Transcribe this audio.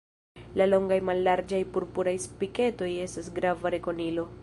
La longaj mallarĝaj purpuraj spiketoj estas grava rekonilo.